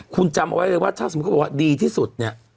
คุณจำเอาไว้เลยว่าถ้าสมมุติเขาบอกว่าดีที่สุดเนี่ย